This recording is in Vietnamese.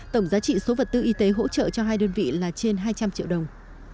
tổng giá trị số vật tư y tế hỗ trợ cho hai đơn vị là trên hai trăm linh triệu đồng